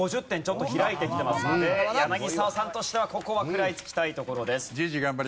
ちょっと開いてきてますので柳澤さんとしてはここは食らいつきたいところです。